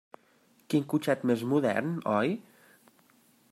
Quin cotxet més modern, oi?